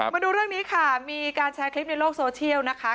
มาดูเรื่องนี้ค่ะมีการแชร์คลิปในโลกโซเชียลนะคะ